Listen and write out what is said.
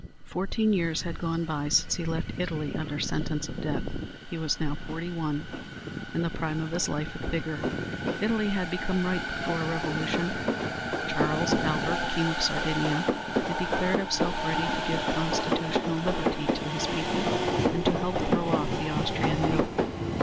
Fourteen years had gone by since he left Italy under sentence of death. He was now forty one, in the prime of his life and vigor. Italy had become ripe for a revolution. Charles Albert, King of Sardinia, had declared himself ready to give constitutional liberty to his people, and to help throw off the Austrian yoke.